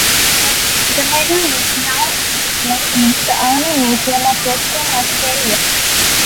The medal is now on display in the Army Museum of Western Australia.